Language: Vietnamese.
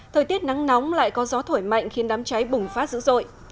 thời tiết nắng nóng lại có gió thổi mạnh khiến đám cháy bùng phát dữ dội